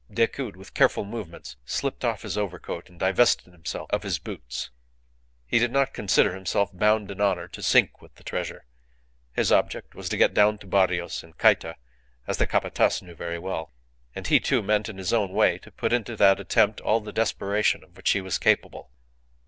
Decoud, with careful movements, slipped off his overcoat and divested himself of his boots; he did not consider himself bound in honour to sink with the treasure. His object was to get down to Barrios, in Cayta, as the Capataz knew very well; and he, too, meant, in his own way, to put into that attempt all the desperation of which he was capable.